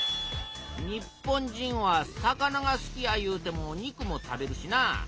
日本人は魚が好きやいうても肉も食べるしなあ。